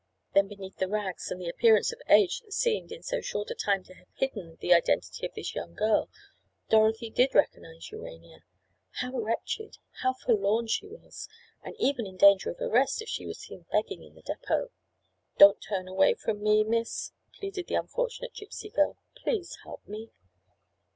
Then beneath the rags and the appearance of age that seemed, in so short a time to have hidden the identity of this young girl, Dorothy did recognize Urania. How wretched—how forlorn she was; and even in danger of arrest if she was seen begging in the depot. "Don't turn away from me, Miss!" pleaded the unfortunate Gypsy girl. "Please help me!"